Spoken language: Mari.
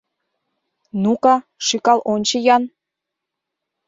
Ну-ка, шӱкал ончо-ян...